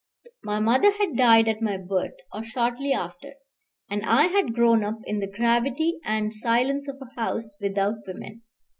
My mother had died at my birth, or shortly after, and I had grown up in the gravity and silence of a house without women.